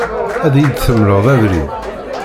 Ad iyi-d-temleḍ abrid?